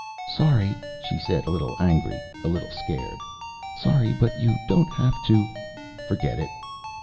"Sorry," she said, a little angry, a little scared. "Sorry. But you don't have to " "Forget it."